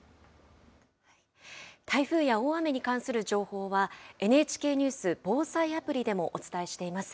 台風や大雨に関する情報は、ＮＨＫニュース・防災アプリでもお伝えしています。